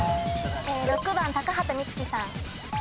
６番高畑充希さん。